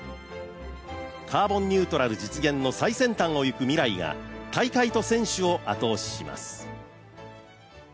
カーボンニュートラル実現の最先端を行くＭＩＲＡＩが大会と選手を後押しします。